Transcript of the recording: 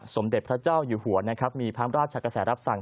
สมเด็จพระเจ้าหยุทธมีพรรครามราชกษรรัสสั่ง